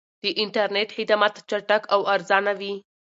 د انټرنیټ خدمات چټک او ارزانه وي.